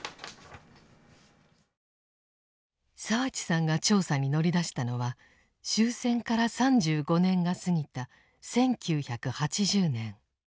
澤地さんが調査に乗り出したのは終戦から３５年が過ぎた１９８０年。